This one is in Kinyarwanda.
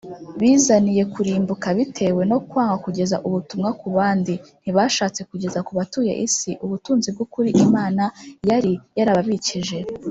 bizaniye kurimbuka bitewe no kwanga kugeza ubutumwa ku bandi ntibashatse kugeza ku batuye isi ubutunzi bw’ukuri imana yari yarababikije